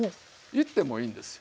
言ってもいいんですよ。